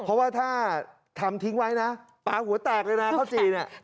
เพราะว่าถ้าทำทิ้งไว้นะปลาหัวแตกเลยนะข้าวจี่เนี่ย